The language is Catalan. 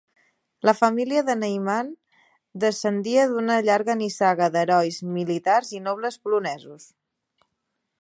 La família de Neyman descendia d'una llarga nissaga d'herois militars i nobles polonesos.